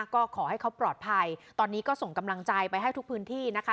ก็ขอให้เขาปลอดภัยตอนนี้ก็ส่งกำลังใจไปให้ทุกพื้นที่นะคะ